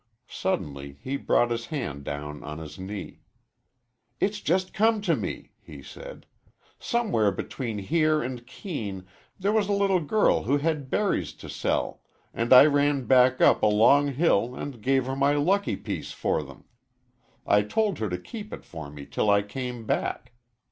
Suddenly he brought his hand down on his knee. "It's just come to me," he said. "Somewhere between here and Keene there was a little girl who had berries to sell, and I ran back up a long hill and gave her my lucky piece for them. I told her to keep it for me till I came back.